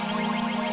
gak ada apa apa